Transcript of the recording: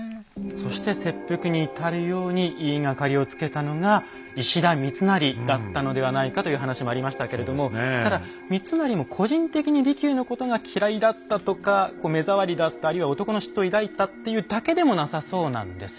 そして切腹に至るように言いがかりをつけたのが石田三成だったのではないかという話もありましたけれどもただ三成も個人的に利休のことが嫌いだったとか目障りだったあるいは男の嫉妬を抱いたというだけでもなさそうなんですよね。